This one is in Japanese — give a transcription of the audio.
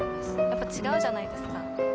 やっぱ違うじゃないですか。